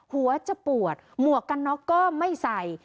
หัวจะปวดหมวกกันน็อกก็ไม่ใส่